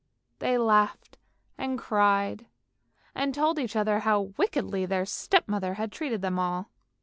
They laughed and cried, and told each other how wickedly their step mother had treated them all.